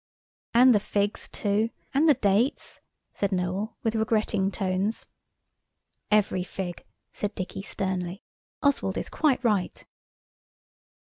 "And the figs too–and the dates," said Noël, with regretting tones. "Every fig," said Dicky sternly. "Oswald is quite right."